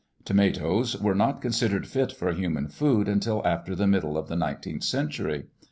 Tomatoes were not considered fit for human food until after the middle of the nineteenth century.